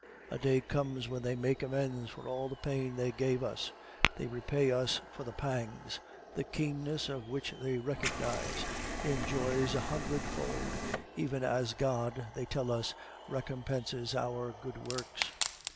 A day comes when they make amends for all the pain they gave us; they repay us for the pangs, the keenness of which they recognize, in joys a hundred fold, even as God, they tell us, recompenses our good works.